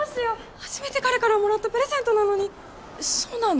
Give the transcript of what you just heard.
初めて彼からもらったプレゼントなのにそうなの？